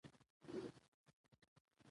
ځکه چې د همېشه هېڅ سر نۀ وي معلوم